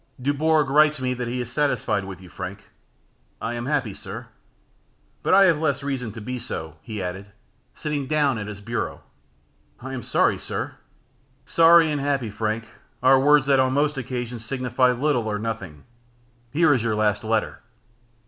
"Dubourg writes to me that he is satisfied with you, Frank." "I am happy, sir" "But I have less reason to be so" he added, sitting down at his bureau. "I am sorry, sir" "Sorry and happy, Frank, are words that, on most occasions, signify little or nothing Here is your last letter."